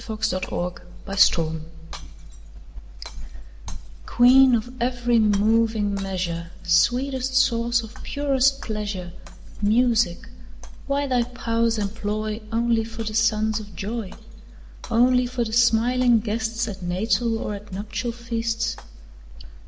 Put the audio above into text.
Joseph Warton Ode to Music QUEEN of every moving measure, Sweetest source of purest pleasure, Music; why thy powers employ Only for the sons of joy? Only for the smiling guests At natal or at nuptial feasts?